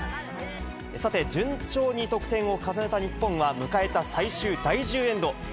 さて、順調に得点を重ねた日本は、迎えた最終第１０エンド。